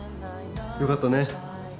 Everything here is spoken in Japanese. よかったね。